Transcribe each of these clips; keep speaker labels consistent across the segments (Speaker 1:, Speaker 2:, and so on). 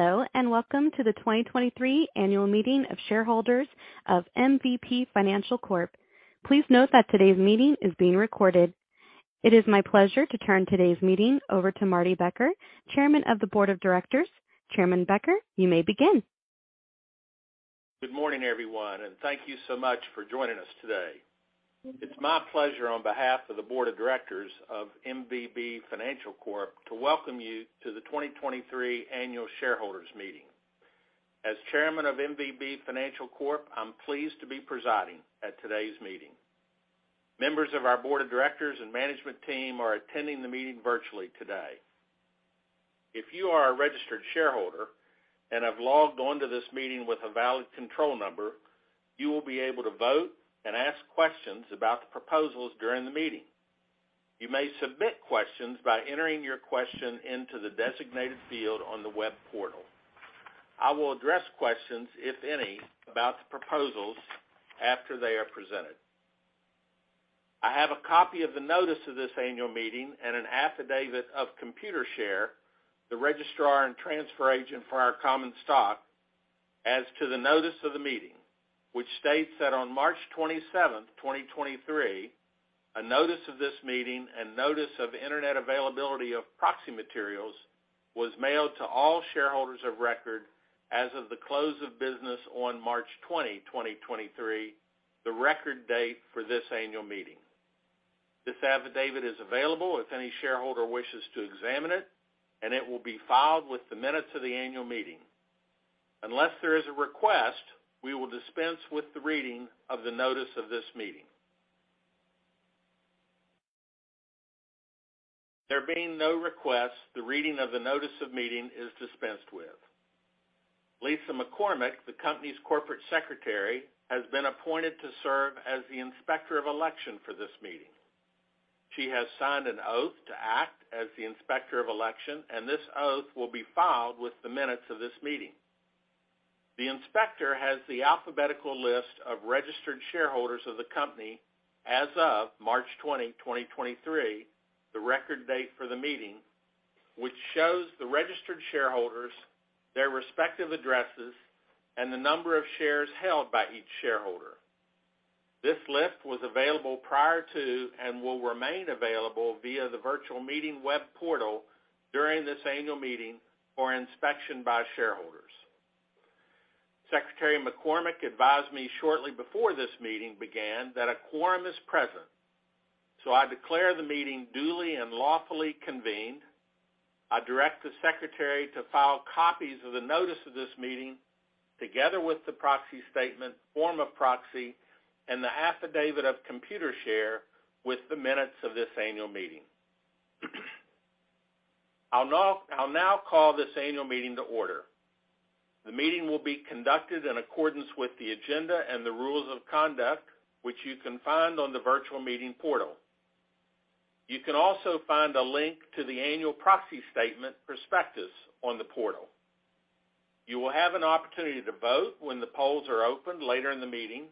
Speaker 1: Hello, welcome to the 2023 Annual Meeting of Shareholders of MVB Financial Corp. Please note that today's meeting is being recorded. It is my pleasure to turn today's meeting over to Marty Becker, Chairman of the Board of Directors. Chairman Becker, you may begin.
Speaker 2: Good morning, everyone, and thank you so much for joining us today. It's my pleasure on behalf of the Board of Directors of MVB Financial Corp. to welcome you to the 2023 Annual Shareholders Meeting. As Chairman of MVB Financial Corp, I'm pleased to be presiding at today's meeting. Members of our board of directors and management team are attending the meeting virtually today. If you are a registered shareholder and have logged on to this meeting with a valid control number, you will be able to vote and ask questions about the proposals during the meeting. You may submit questions by entering your question into the designated field on the web portal. I will address questions, if any, about the proposals after they are presented. I have a copy of the notice of this annual meeting and an affidavit of Computershare, the registrar and transfer agent for our common stock, as to the notice of the meeting, which states that on March 27, 2023, a notice of this meeting and notice of internet availability of proxy materials was mailed to all shareholders of record as of the close of business on March 20, 2023, the record date for this annual meeting. This affidavit is available if any shareholder wishes to examine it, and it will be filed with the minutes of the annual meeting. Unless there is a request, we will dispense with the reading of the notice of this meeting. There being no request, the reading of the notice of meeting is dispensed with. Lisa McCormick, the company's corporate secretary, has been appointed to serve as the Inspector of Election for this meeting. She has signed an oath to act as the Inspector of Election, this oath will be filed with the minutes of this meeting. The inspector has the alphabetical list of registered shareholders of the company as of March 20, 2023, the record date for the meeting, which shows the registered shareholders, their respective addresses, and the number of shares held by each shareholder. This list was available prior to and will remain available via the virtual meeting web portal during this annual meeting for inspection by shareholders. Secretary McCormick advised me shortly before this meeting began that a quorum is present, I declare the meeting duly and lawfully convened. I direct the secretary to file copies of the notice of this meeting, together with the proxy statement, form of proxy, and the affidavit of Computershare with the minutes of this annual meeting. I'll now call this annual meeting to order. The meeting will be conducted in accordance with the agenda and the rules of conduct, which you can find on the virtual meeting portal. You can also find a link to the annual proxy statement prospectus on the portal. You will have an opportunity to vote when the polls are opened later in the meeting.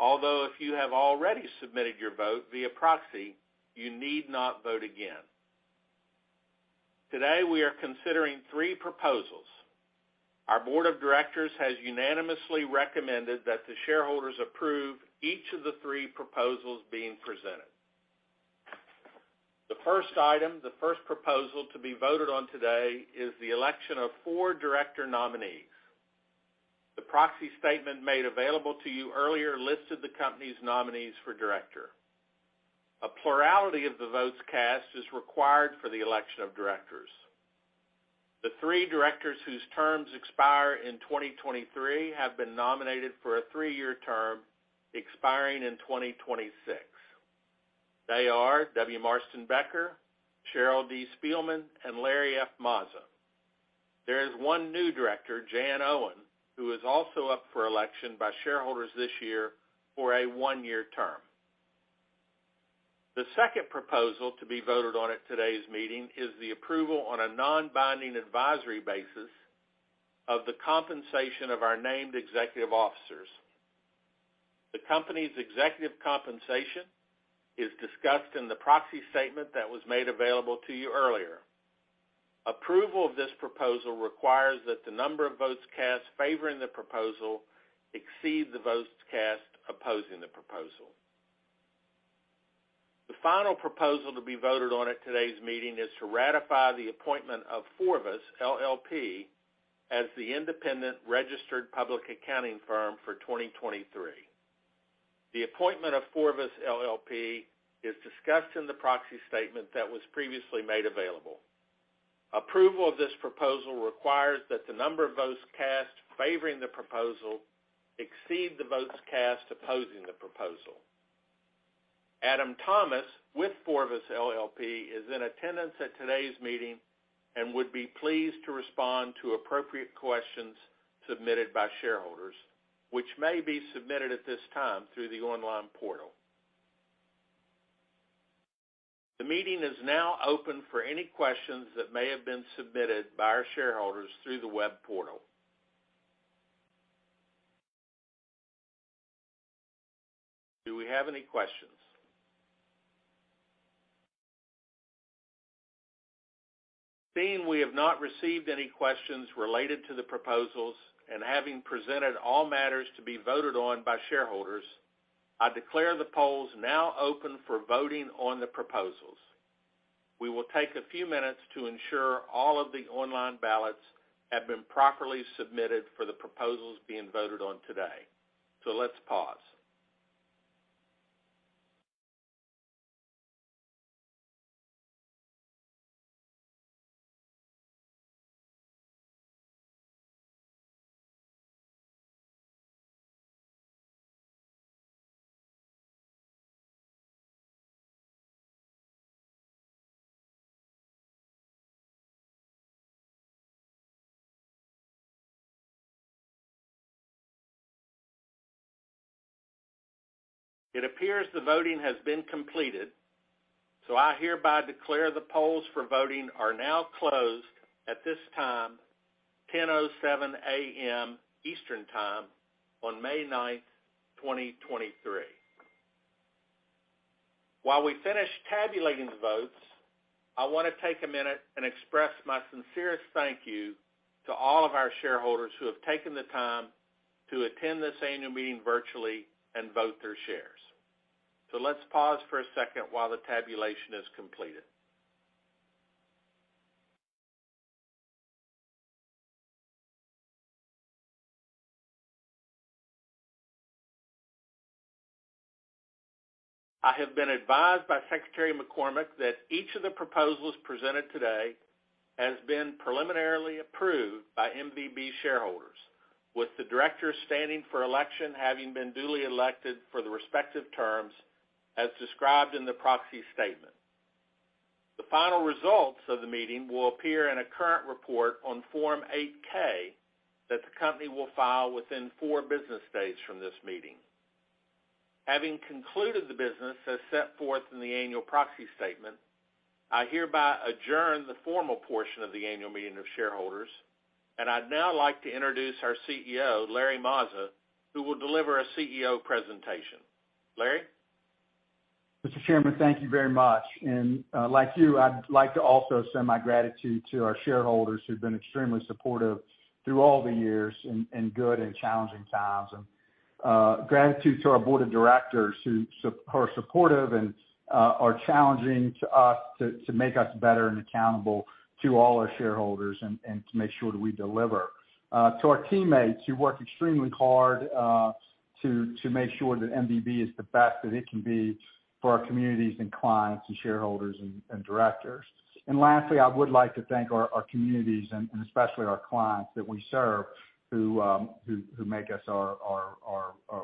Speaker 2: If you have already submitted your vote via proxy, you need not vote again. Today, we are considering three proposals. Our board of directors has unanimously recommended that the shareholders approve each of the three proposals being presented. The first item, the first proposal to be voted on today is the election of four director nominees. The proxy statement made available to you earlier listed the company's nominees for director. A plurality of the votes cast is required for the election of directors. The three directors whose terms expire in 2023 have been nominated for a three-year term expiring in 2026. They are W. Marston Becker, Cheryl D. Spielman, and Larry F. Mazza. There is one new director, Jan Owen, who is also up for election by shareholders this year for a one-year term. The second proposal to be voted on at today's meeting is the approval on a non-binding advisory basis of the compensation of our named executive officers. The company's executive compensation is discussed in the proxy statement that was made available to you earlier. Approval of this proposal requires that the number of votes cast favoring the proposal exceed the votes cast opposing the proposal. The final proposal to be voted on at today's meeting is to ratify the appointment of FORVIS, LLP as the independent registered public accounting firm for 2023. The appointment of FORVIS, LLP is discussed in the proxy statement that was previously made available. Approval of this proposal requires that the number of votes cast favoring the proposal exceed the votes cast opposing the proposal. Adam Thomas with FORVIS, LLP is in attendance at today's meeting and would be pleased to respond to appropriate questions submitted by shareholders, which may be submitted at this time through the online portal. The meeting is now open for any questions that may have been submitted by our shareholders through the web portal. Do we have any questions? Seeing we have not received any questions related to the proposals and having presented all matters to be voted on by shareholders, I declare the polls now open for voting on the proposals. We will take a few minutes to ensure all of the online ballots have been properly submitted for the proposals being voted on today. Let's pause. It appears the voting has been completed, I hereby declare the polls for voting are now closed at this time, 10:07 A.M. Eastern Time on May 9, 2023. While we finish tabulating the votes, I wanna take a minute and express my sincerest thank you to all of our shareholders who have taken the time to attend this annual meeting virtually and vote their shares. Let's pause for a second while the tabulation is completed. I have been advised by Secretary McCormick that each of the proposals presented today has been preliminarily approved by MVB shareholders, with the directors standing for election having been duly elected for the respective terms as described in the proxy statement. The final results of the meeting will appear in a current report on Form 8-K that the company will file within four business days from this meeting. Having concluded the business as set forth in the annual proxy statement, I hereby adjourn the formal portion of the annual meeting of shareholders, and I'd now like to introduce our CEO, Larry Mazza, who will deliver a CEO presentation. Larry?
Speaker 3: Mr. Chairman, thank you very much. Like you, I'd like to also send my gratitude to our shareholders who've been extremely supportive through all the years in good and challenging times. Gratitude to our board of directors who are supportive and are challenging to us to make us better and accountable to all our shareholders and to make sure that we deliver. To our teammates who work extremely hard, to make sure that MVB is the best that it can be for our communities and clients and shareholders and directors. Lastly, I would like to thank our communities and especially our clients that we serve who make us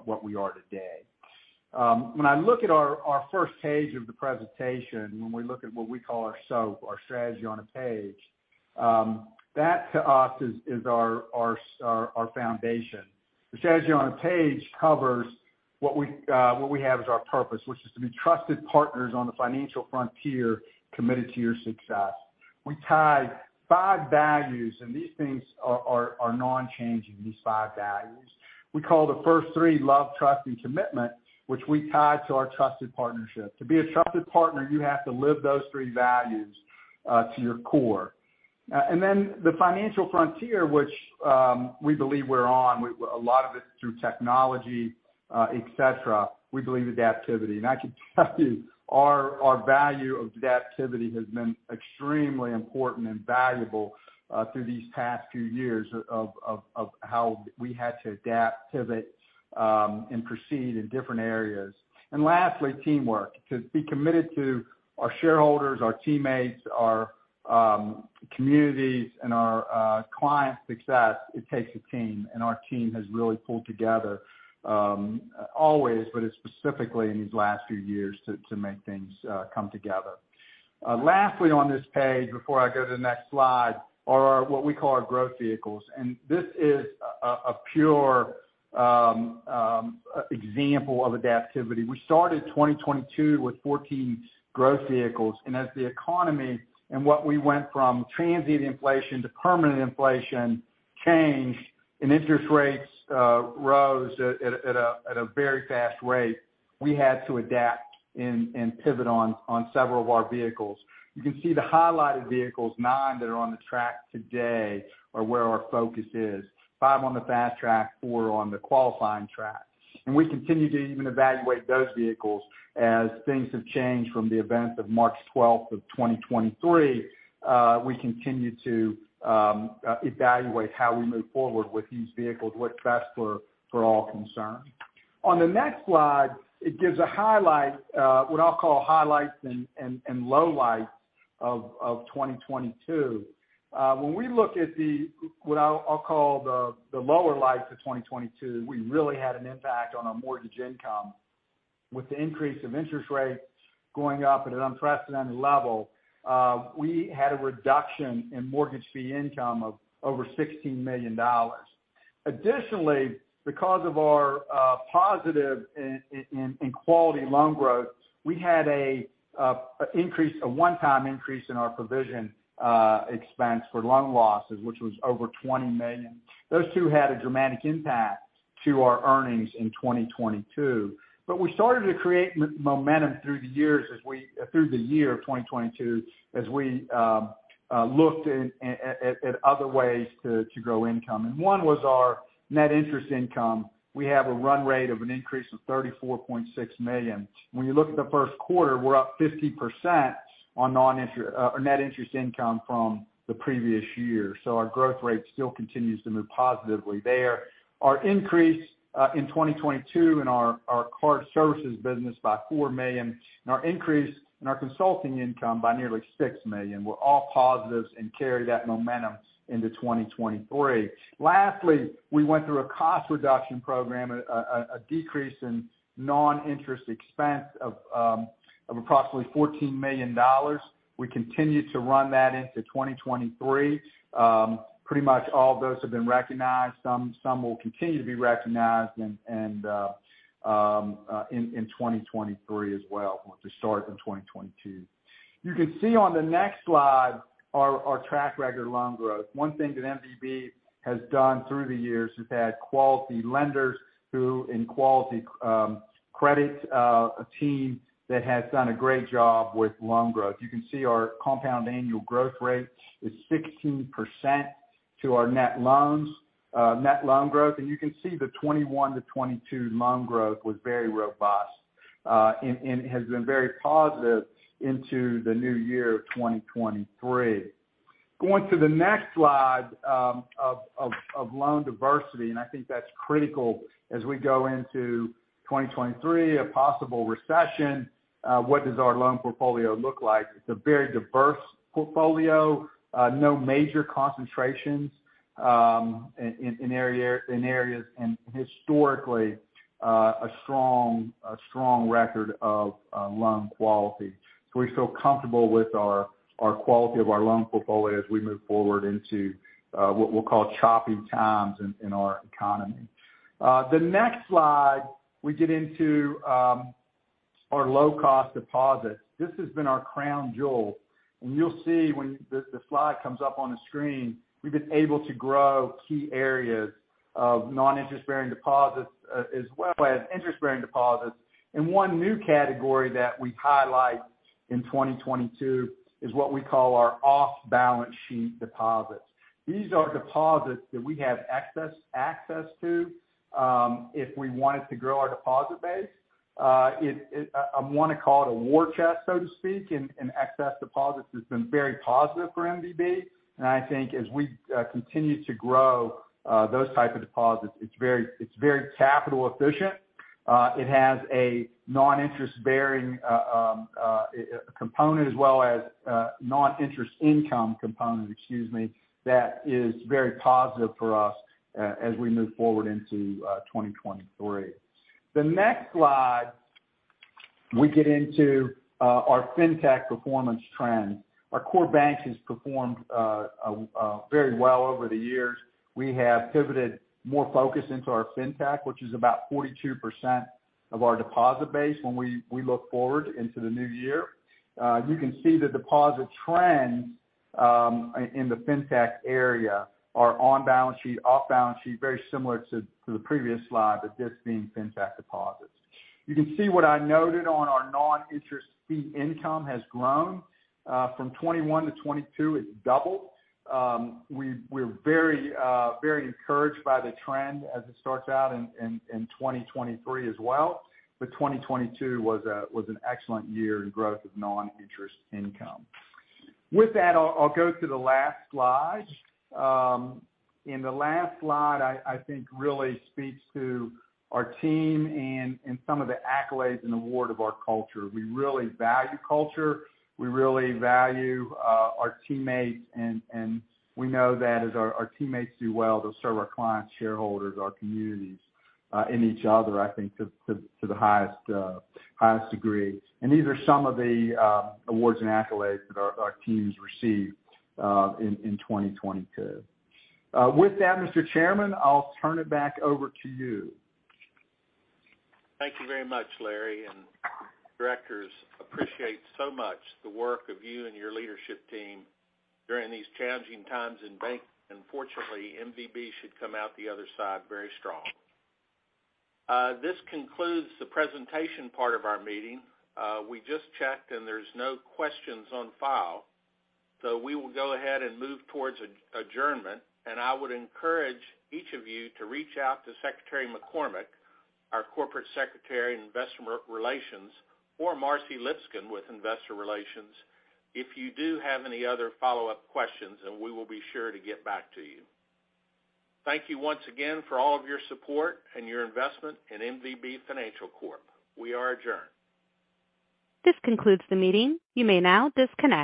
Speaker 3: what we are today. When I look at our first page of the presentation, when we look at what we call our SOAP, our strategy on a page, that to us is our foundation. The strategy on a page covers what we, what we have as our purpose, which is to be trusted partners on the financial frontier, committed to your success. We tie five values, these things are non-changing, these five values. We call the first three love, trust, and commitment, which we tie to our trusted partnership. To be a trusted partner, you have to live those three values to your core. The financial frontier, which we believe we're on, a lot of it through technology, et cetera. We believe adaptivity. I can tell you our value of adaptivity has been extremely important and valuable through these past few years of how we had to adapt, pivot, and proceed in different areas. Lastly, teamwork. To be committed to our shareholders, our teammates, our communities, and our clients' success, it takes a team, and our team has really pulled together always, but specifically in these last few years to make things come together. Lastly on this page, before I go to the next slide, are what we call our growth vehicles. This is a pure example of adaptivity. We started 2022 with 14 growth vehicles, and as the economy and what we went from transient inflation to permanent inflation changed and interest rates rose at a very fast rate, we had to adapt and pivot on several of our vehicles. You can see the highlighted vehicles, nine that are on the track today are where our focus is, five on the fast track, four on the qualifying track. We continue to even evaluate those vehicles. As things have changed from the events of March 12th of 2023, we continue to evaluate how we move forward with these vehicles, what's best for all concerned. On the next slide, it gives a highlight, what I'll call highlights and lowlights of 2022. When we look at the, what I'll call the lower lights of 2022, we really had an impact on our mortgage income. With the increase of interest rates going up at an unprecedented level, we had a reduction in mortgage fee income of over $16 million. Additionally, because of our positive in quality loan growth, we had a increase, a one-time increase in our provision expense for loan losses, which was over $20 million. Those two had a dramatic impact to our earnings in 2022. We started to create momentum through the years as we through the year of 2022 as we looked at other ways to grow income. One was our net interest income. We have a run rate of an increase of $34.6 million. When you look at the first quarter, we're up 50% on net interest income from the previous year. Our growth rate still continues to move positively there. Our increase in 2022 in our card services business by $4 million and our increase in our consulting income by nearly $6 million were all positives and carry that momentum into 2023. We went through a cost reduction program, a decrease in non-interest expense of approximately $14 million. We continue to run that into 2023. Pretty much all of those have been recognized. Some will continue to be recognized and in 2023 as well, which will start in 2022. You can see on the next slide our track record loan growth. One thing that MVB has done through the years, we've had quality lenders who in quality credit, a team that has done a great job with loan growth. You can see our compound annual growth rate is 16% to our net loans, net loan growth. You can see the 2021-2022 loan growth was very robust and has been very positive into the new year of 2023. Going to the next slide, of loan diversity, and I think that's critical as we go into 2023, a possible recession, what does our loan portfolio look like? It's a very diverse portfolio. No major concentrations in areas and historically, a strong record of loan quality. We feel comfortable with our quality of our loan portfolio as we move forward into what we'll call choppy times in our economy. The next slide, we get into our low-cost deposits. This has been our crown jewel, and you'll see when the slide comes up on the screen, we've been able to grow key areas of non-interest-bearing deposits as well as interest-bearing deposits. One new category that we've highlight in 2022 is what we call our off-balance sheet deposits. These are deposits that we have access to if we wanted to grow our deposit base. It wanna call it a war chest, so to speak, in excess deposits has been very positive for MVB. I think as we continue to grow those type of deposits, it's very capital efficient. It has a non-interest-bearing component as well as non-interest income component, excuse me, that is very positive for us as we move forward into 2023. The next slide, we get into our fintech performance trends. Our core banks has performed very well over the years. We have pivoted more focus into our fintech, which is about 42% of our deposit base when we look forward into the new year. You can see the deposit trends in the fintech area are on balance sheet, off balance sheet, very similar to the previous slide, but this being fintech deposits. You can see what I noted on our non-interest fee income has grown, from 21 to 22, it's doubled. We're very, very encouraged by the trend as it starts out in 2023 as well. 2022 was an excellent year in growth of non-interest income. With that, I'll go to the last slide. The last slide I think really speaks to our team and some of the accolades and award of our culture. We really value culture. We really value our teammates. And we know that as our teammates do well, they'll serve our clients, shareholders, our communities, and each other, I think, to the highest degree. These are some of the awards and accolades that our teams received, in 2022. With that, Mr. Chairman, I'll turn it back over to you.
Speaker 2: Thank you very much, Larry. Directors appreciate so much the work of you and your leadership team during these challenging times in bank. Fortunately, MVB should come out the other side very strong. This concludes the presentation part of our meeting. We just checked, and there's no questions on file. We will go ahead and move towards adjournment, and I would encourage each of you to reach out to Secretary McCormick, our Corporate Secretary in Investor Relations, or Marcie Lipscomb with Investor Relations if you do have any other follow-up questions, and we will be sure to get back to you. Thank you once again for all of your support and your investment in MVB Financial Corp. We are adjourned.
Speaker 1: This concludes the meeting. You may now disconnect.